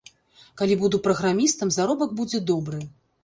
Калі буду праграмістам, заробак будзе добры.